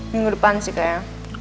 minggu depan sih kayaknya